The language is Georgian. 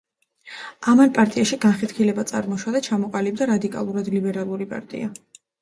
ამან პარტიაში განხეთქილება წარმოშვა და ჩამოყალიბდა რადიკალური ლიბერალური პარტია.